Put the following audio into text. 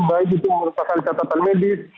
baik itu merupakan catatan medis